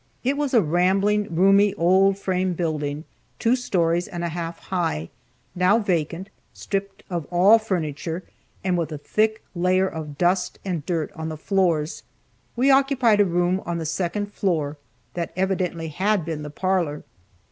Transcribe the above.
It was a rambling, roomy, old frame building, two stories and a half high, now vacant, stripped of all furniture, and with a thick layer of dust and dirt on the floors. We occupied a room on the second floor, that evidently had been the parlor.